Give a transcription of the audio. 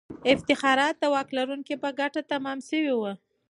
افتخارات د واک لرونکو په ګټه تمام سوي وو.